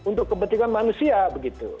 untuk kepentingan manusia begitu